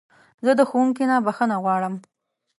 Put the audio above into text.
زه د ښوونکي نه بخښنه غواړم.